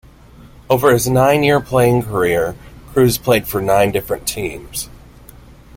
Over his nine-year playing career, Cruz played for nine different teams.